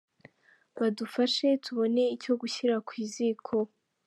Badufashe tubone icyo gushyira ku ziko.